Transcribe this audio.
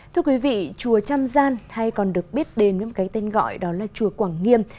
thưa quý vị chùa trăm gian hay còn được biết đến cái tên gọi đó là chùa quảng nghiêm